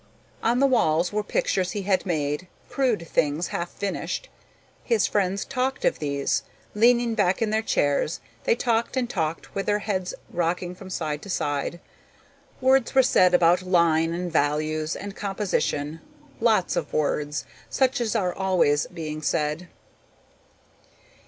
On the walls were pictures he had made, crude things, half finished. His friends talked of these. Leaning back in their chairs, they talked and talked with their heads rocking from side to side. Words were said about line and values and composition, lots of words, such as are always being said.